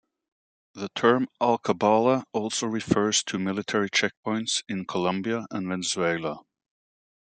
The term "alcabala" also refers to military checkpoints in Colombia and Venezuela.